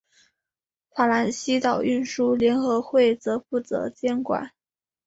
法兰西岛运输联合会则负责监管。